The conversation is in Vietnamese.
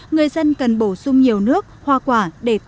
người dân cần bổ sung nhiều nước hoa quả để tăng cao hơn